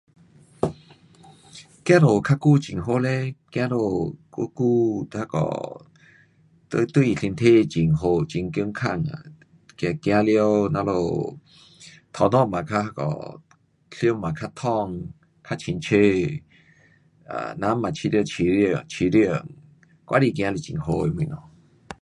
走路较久很好嘞，走路久久那个，对，对身体很好很健康啊，走走了咱们头脑也较那个，想也较通较清楚。啊，人也觉得舒服舒服，外面走是很好的东西。